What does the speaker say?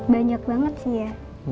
banyak banget sih ya